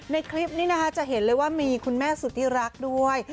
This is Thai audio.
ในคลิปนี้นะคะจะเห็นเลยว่ามีคุณแม่สุธิรักด้วย